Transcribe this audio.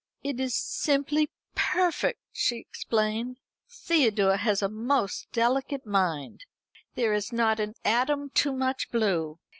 "It is simply perfect!" she exclaimed. "Theodore has a most delicate mind. There is not an atom too much blue.